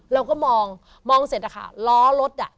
เราก็มองเห็นค่ะล้อรถ